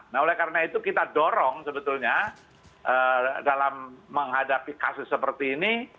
nah oleh karena itu kita dorong sebetulnya dalam menghadapi kasus seperti ini